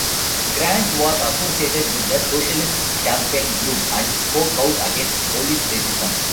Grant was associated with the Socialist Campaign Group, and spoke out against police racism.